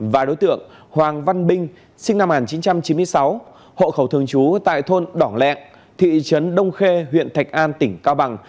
và đối tượng hoàng văn binh sinh năm một nghìn chín trăm chín mươi sáu hộ khẩu thường trú tại thôn đỏng lẹn thị trấn đông khê huyện thạch an tỉnh cao bằng